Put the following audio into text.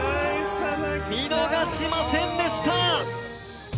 見逃しませんでした！